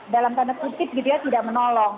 dalam tanda kutip gitu ya tidak menolong